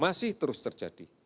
masih terus terjadi